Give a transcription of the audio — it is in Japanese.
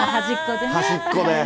端っこで。